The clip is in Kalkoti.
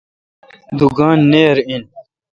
دوکان نیر این۔